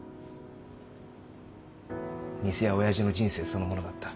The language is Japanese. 店は親父の人生そのものだった。